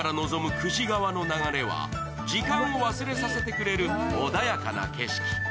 久慈川の流れは時間を忘れさせてくれる穏やかな景色。